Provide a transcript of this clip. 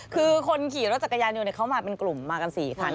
คือคนขี่รถจักรยานยนต์เขามาเป็นกลุ่มมากัน๔คัน